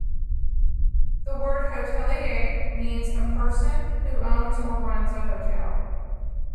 The word "hotelier" means "a person who owns or runs a hotel.